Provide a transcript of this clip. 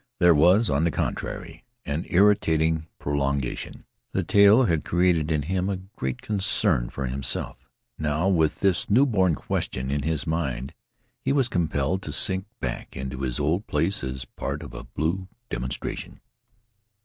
There was, on the contrary, an irritating prolongation. The tale had created in him a great concern for himself. Now, with the newborn question in his mind, he was compelled to sink back into his old place as part of a blue demonstration.